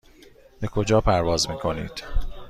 به کجا پرواز میکنید؟